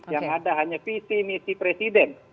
yang ada hanya visi misi presiden